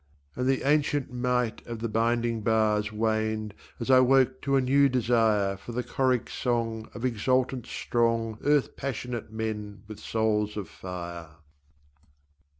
And the ancient might Of the binding bars Waned as I woke to a new desire For the choric song Of exultant, strong Earth passionate menwith souls of fire.